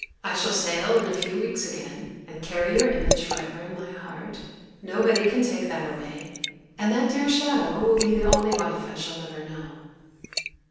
I shall sail in a few weeks again, and carry your image for ever in my heart; nobody can take that away, and that dear shadow will be the only wife I shall ever know.